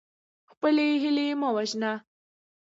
خپلې هیلې مه وژنئ.